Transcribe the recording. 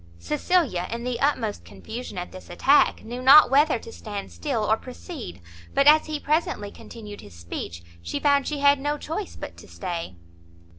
Cecilia, in the utmost confusion at this attack, knew not whether to stand still or proceed; but, as he presently continued his speech, she found she had no choice but to stay.